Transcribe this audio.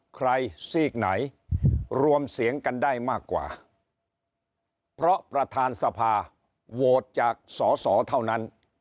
ซีกไหนรวมเสียงกันได้มากกว่าเพราะประธานสภาโหวตจากสอสอเท่านั้น